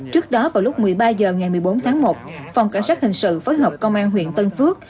trước đó vào lúc một mươi ba h ngày một mươi bốn tháng một phòng cảnh sát hình sự phối hợp công an huyện tân phước